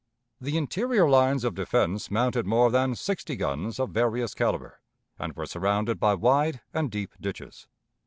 The interior lines of defense mounted more than sixty guns of various caliber, and were surrounded by wide and deep ditches.